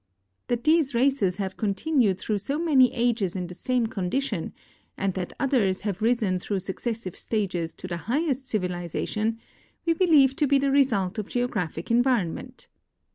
That these races have continued through so many ages in the same condi tion, and that others have risen through successive stages to the highest civilization, we believe to be the result of geographic en vironment.